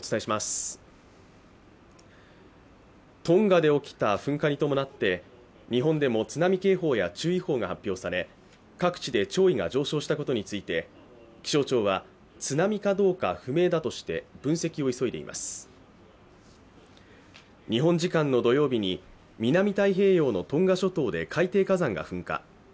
トンガで起きた噴火に伴って日本でも津波警報や注意報が発表され、各地で潮位が上昇したことについて気象庁は、津波かどうか不明だとして分析を急いでいます日本時間の土曜日に南太平洋のトンガ諸島で海底火山が噴火。